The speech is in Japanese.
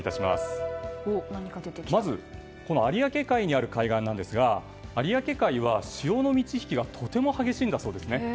まず、有明海にある海岸ですが有明海は潮の満ち引きがとても激しいんだそうです。